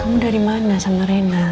kamu dari mana sama rena